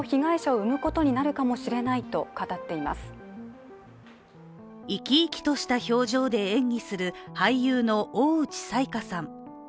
生き生きとした表情で演技する俳優の大内彩加さん。